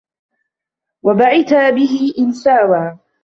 وَبِعِتَابِهِ إنْ سَاوَى